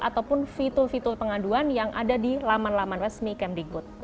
ataupun fitur fitur pengaduan yang ada di laman laman resmi kemdikbud